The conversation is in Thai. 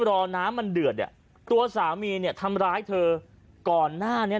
รอน้ำมันเดือดเนี่ยตัวสามีเนี่ยทำร้ายเธอก่อนหน้านี้